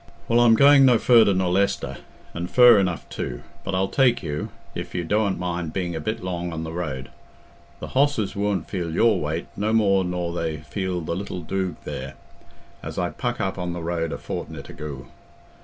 "Well, I'm going no furder nor Leicester—and fur enough too—but I'll take you, if you dooant mind being a bit long on the road. Th' hosses wooant feel your weight no more nor they feel the little doog there, as I puck up on the road a fortni't agoo.